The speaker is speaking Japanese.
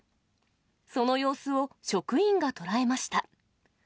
その様子を職員が捉えました。